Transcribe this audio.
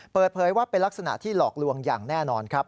เปิดเผยว่าเป็นลักษณะที่หลอกลวงอย่างแน่นอนครับ